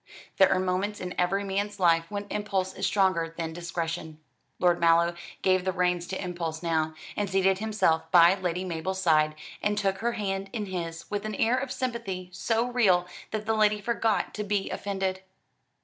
There are moments in every man's life when impulse is stronger than discretion. Lord Mallow gave the reins to impulse now, and seated himself by Lady Mabel's side, and took her hand in his, with an air of sympathy so real that the lady forgot to be offended.